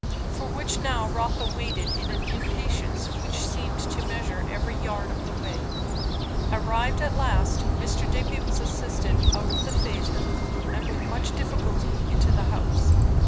For which now Rotha waited in an impatience which seemed to measure every yard of the way. Arrived at last, Mr. Digby was assisted out of the phaeton, and with much difficulty into the house.